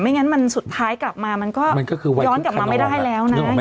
งั้นมันสุดท้ายกลับมามันก็ย้อนกลับมาไม่ได้แล้วนะ